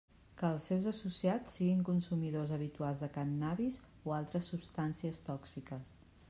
Que els seus associats siguin consumidors habitual de cànnabis o altres substàncies tòxiques.